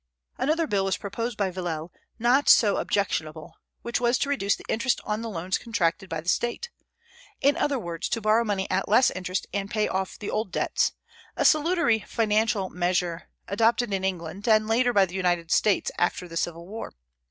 Another bill was proposed by Villèle, not so objectionable, which was to reduce the interest on the loans contracted by the State; in other words, to borrow money at less interest and pay off the old debts, a salutary financial measure adopted in England, and later by the United States after the Civil War.